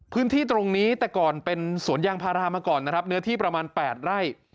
พื้นที่ตรงนี้แต่ก่อนเป็นสวนยางพาราเหนือที่ประมาณ๘ไร่